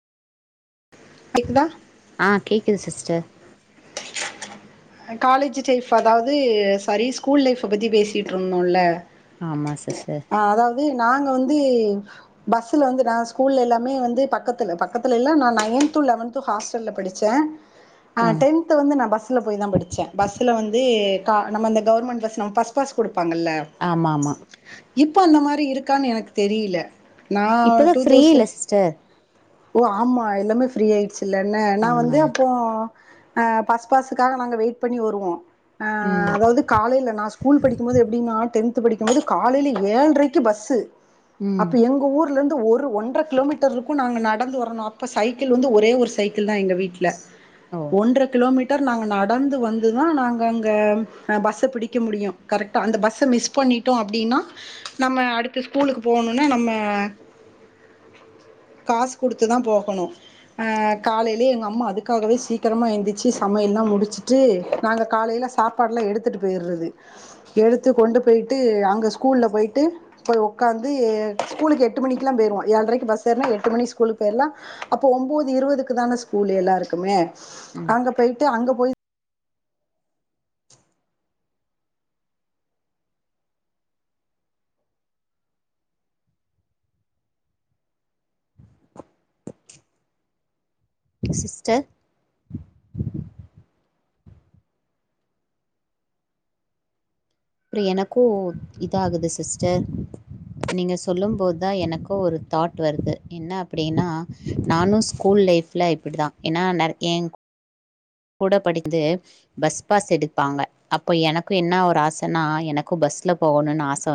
கேக்குதா ஆ கேக்குது சிஸ்டர் அ காலேஜ் சைஃப் அதாவ்து சாரி ஸ்கூல் லைஃப்ப பத்தி பேசிட்டிருந்தோல்ல ஆமா சிஸ்டர் அ அதாவ்து நாங்க வந்து பஸ்சுல வந்து நா ஸ்கூல்ல எல்லாமே வந்து பக்கத்துல பக்கத்துல எல்லா நா நையன்த்து லெவன்த்து ஹாஸ்டல்ல படிச்ச ஆ டென்த் வந்து நா பஸ்சுல போய்தா படிச்ச பஸ்ஸுல வந்து கா நம்ம இந்த கவுர்மெண்ட் பஸ் நம்ம பஸ் பாஸ் குடுப்பாங்கள்ல ஆமா ஆமா இப்ப அந்தமாரி இருக்கான் எனக்கு தெரில நா டூ தௌசண்ட் செர் ஓ ஆமா எல்லாமே ஃப்ரீ ஆய்டுச்சுலன்ன ஆ நா வந்து அப்போ ஆ பஸ் பாஸுக்காக நாங்க வெயிட் பண்ணி வருவோ அ ம் அதாவ்து காலைல நா ஸ்கூல் படிக்கும்மோது எப்டின்னா டென்த்து படிக்கும்மோது காலைல ஏழ்ரைக்கு பஸ்ஸு ம் அப்ப எங்க ஊர்ல இருந்து ஒரு ஒன்ற கிலோமீட்டர் இருக்கு நாங்க நட் நடந்து வர்ணு அப்ப சைக்கிள் வந்து ஒரே ஒரு சைக்கிள்தா எங்க வீட்ல ஓ ஒன்ற கிலோமீட் டர் நாங்க நடந்து வந்துதா நாங்க அங்க பஸ்ஸ பிடிக்க முடியு கரெக்ட்டா ட அந்த பஸ்ஸ மிஸ் பண்ணிடோ அப்டின்னா நம்ம அடுத்து ஸ்கூலுக்கு போனுனா நம்ம காஸ் குடுத்துதா போகணு ஆ காலே லயே எங்க அம்மா அதுக்காகவே சீக்கரமா எந்திச்சு சமயல்லா முடிச்சிட்டு நாங்க காலேல சாப் பாடெல்லா எடுத்துட்டு போயிற்து எடுத்து கொண்டு போய்ட்டு அங்க ஸ்கூல்ல போய்ட்டு போய் உக்காந்து எ ஸ்கூலுக்கு எட்டு மணிக்கில்லா போயிருவோ ஏழ்ரைக்கு பஸ் ஏற்னா எட்டு மணிஸ் கூலுக் போயிர்லா அப்போ ஒம்போது இருவுதுக்கு தான ஸ்கூலு எல்லாருக்குமே ம் அங்க போயி டு அங்கபோயி சிஸ்டர் அப்றோ எனக்கு இதாகுது சிஸ்டர் நீங்க சொல்லும்போதா எனக்கு ஒரு தாட் வருது என்ன அப்டினா நானு ஸ்கூல் லைஃப் புல்லா இப்புடிதா ஏன்னா நெற் ஏன்கூ கூட படிக்கிது பஸ் பாஸ் எடுப்பாங்க அப்ப எனக்கு என்ன ஒரு ஆசன்னா எனக்கு பஸ்ல போகோணுன்னு ஆசவ